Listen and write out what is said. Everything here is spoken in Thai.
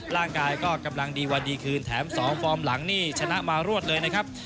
ร่างกายก็กำลังดีวันดีคืนแถม๒ฟอร์มหลังนี่ชนะมารวดเลยนะครับ